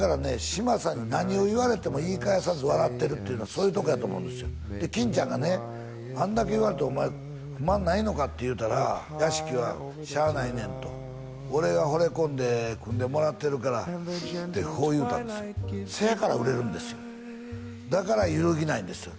嶋佐に何を言われても言い返さず笑ってるっていうのはそういうとこやと思うんですよで金ちゃんがねあんだけ言われてお前不満ないのか？って言うたら屋敷は「しゃあないねん」と「俺がほれ込んで組んでもらってるから」ってそう言うたんですよせやから売れるんですよだから揺るぎないんですよ